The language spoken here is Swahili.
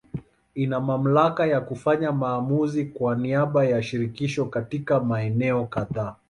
Ina mamlaka ya kufanya maamuzi kwa niaba ya Shirikisho katika maeneo kadhaa.